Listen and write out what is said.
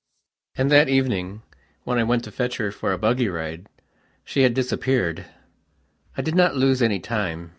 And that evening, when I went to fetch her for a buggy ride, she had disappeared. I did not lose any time.